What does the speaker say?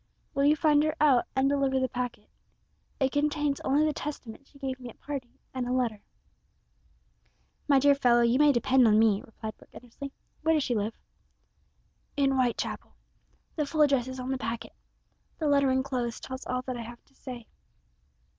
Will you find her out and deliver the packet? It contains only the Testament she gave me at parting and a letter." "My dear fellow you may depend on me," replied Brooke earnestly. "Where does she live?" "In Whitechapel. The full address is on the packet. The letter enclosed tells all that I have to say."